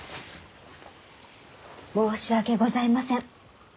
申し訳ございません。